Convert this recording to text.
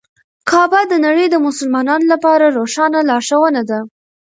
کعبه د نړۍ د مسلمانانو لپاره روښانه لارښوونه ده.